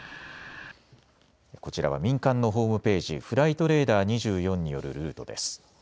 こちらは民間のホームページ、フライトレーダー２４によるルートです。